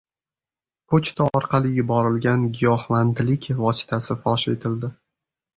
Pochta orqali yuborilgan giyohvandlik vositasi fosh etildi